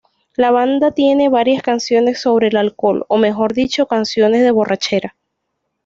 La banda tiene varias canciones sobre el alcohol, o mejor dicho canciones de borrachera.